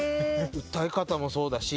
歌い方もそうだし。